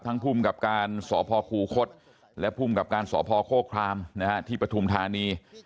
ทั้งภูมิกับการสอพครูคดและภูมิกับการสอพโครคลามที่ประธุมฐานี